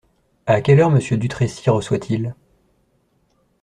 À quelle heure Monsieur Dutrécy reçoit-il ?